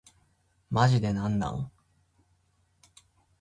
マジでなんなん